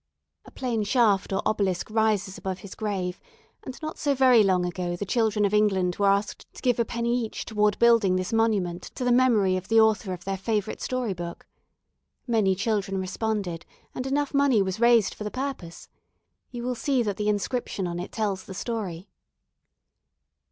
A plain shaft or obelisk rises above his grave, and not so very long ago the children of England were asked to give a penny each toward building this monument to the memory of the author of their favourite story book. Many children responded and enough money was raised for the purpose. You will see that the inscription on it tells the story."